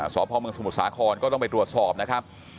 สอบภาคเมืองสมุทรสาครก็ต้องไปตรวจสอบนะครับ